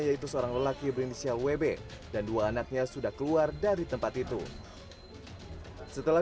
yaitu seorang lelaki berinisial wb dan dua anaknya sudah keluar dari tempat itu setelah